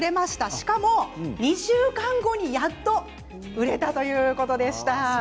しかも、２週間後にやっと売れたということです。